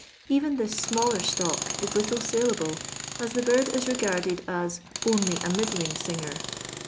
Even this smaller stock is little sale able, as the bird is regarded as '* only a middling singer.